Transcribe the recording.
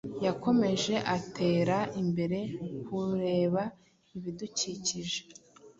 Yakomeje atera imbere kureba ibidukikije